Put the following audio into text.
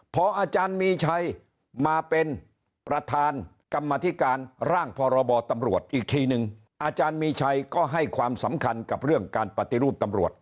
พออาจารย์มีชัยมาเป็นประธานกรรมธิการร่างพรบตำรวจอีกทีนึงอาจารย์มีชัยก็ให้ความสำคัญกับเรื่องการปฏิรูปตำรวจ